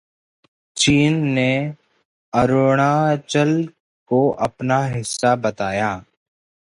चीन ने अरुणाचल को अपना हिस्सा बताया